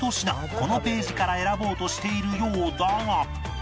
このページから選ぼうとしているようだが